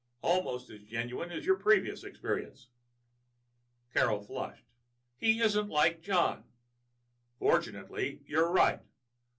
"Almost as genuine as your previous experience." Carol flushed. "He isn't like John." "Fortunately, you are right.